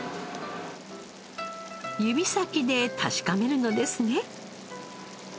指先で確かめるのですね。